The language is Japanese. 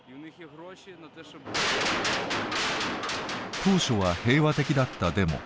当初は平和的だったデモ。